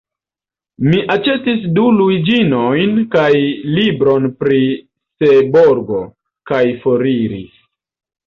Mi aĉetis du luiĝinojn kaj libron pri Seborgo, kaj foriris.